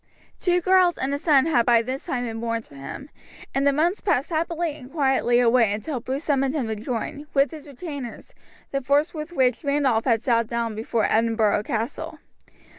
Two girls and a son had by this time been born to him, and the months passed quietly and happily away until Bruce summoned him to join, with his retainers, the force with which Randolph had sat down before Edinburgh Castle.